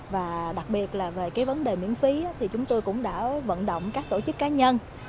và đặc biệt là về cái vấn đề miễn phí thì chúng tôi cũng đã vận động các tổ chức cá nhân